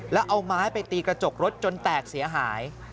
แล้วเอาไม้ไปตีกระจกรถจนแตกเสียหาย